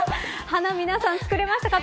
花、皆さん、作れましたか。